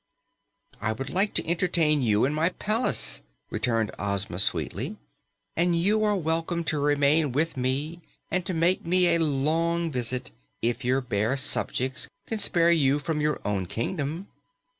"I would like to entertain you in my palace," returned Ozma sweetly, "and you are welcome to return with me and to make me a long visit, if your bear subjects can spare you from your own kingdom."